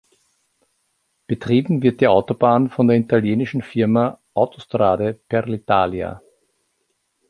Betrieben wird die Autobahn von der italienischen Firma Autostrade per l'Italia.